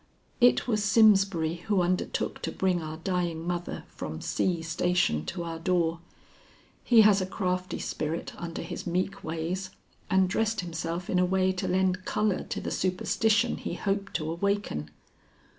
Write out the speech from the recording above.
"It was Simsbury who undertook to bring our dying mother from C. station to our door. He has a crafty spirit under his meek ways, and dressed himself in a way to lend color to the superstition he hoped to awaken.